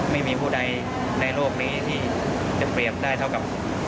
ไม่มีผู้ใดในโลกนี้ที่จะเปรียบได้เท่ากับ